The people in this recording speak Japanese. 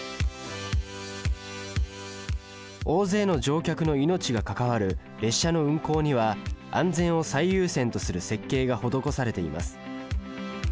大勢の乗客の命が関わる列車の運行には安全を最優先とする設計が施されています。